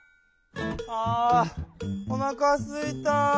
あおなかすいた。